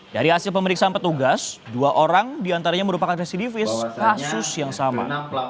dari hasil pemeriksaan petugas dua orang diantaranya merupakan residivis kasus yang sama